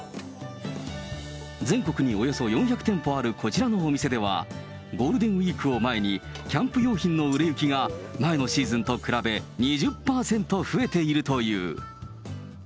全国におよそ４００店舗あるこちらのお店では、ゴールデンウィークを前に、キャンプ用品の売れ行きが、前のシーズンと比べ２０％増えているという。